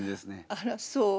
あらそう？